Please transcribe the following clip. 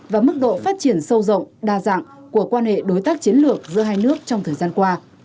và mức độ phát triển sâu rộng đa dạng của quan hệ đối tác chiến lược giữa hai nước trong thời gian qua